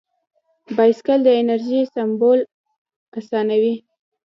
بایسکل د انرژۍ سپمول اسانوي.